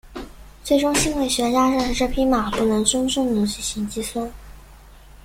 最终心理学家证实这匹马不能真正地进行计算。